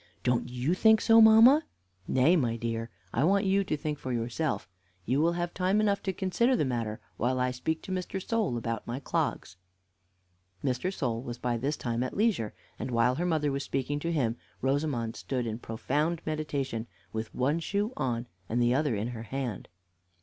Don't you think so, mamma?" "Nay, my dear, I want you to think for yourself; you will have time enough to consider the matter, while I speak to Mr. Sole about my clogs." Mr. Sole was by this time at leisure, and while her mother was speaking to him, Rosamond stood in profound meditation, with one shoe on, and the other in her hand.